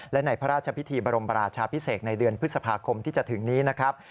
และในพระราชพิธีบรมราชาพิเศษในเดือนพฤษภาคมที่จะถึงนี้นะครับ